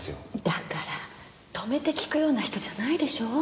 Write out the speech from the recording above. だから止めて聞くような人じゃないでしょ。